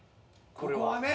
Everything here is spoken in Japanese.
ここはね。